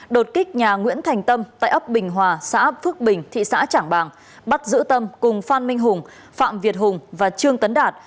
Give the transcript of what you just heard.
đột kích nhà nguyễn thành tâm tại ấp bình hòa xã phước bình thị xã trảng bàng bắt giữ tâm cùng phan minh hùng phạm việt hùng và trương tấn đạt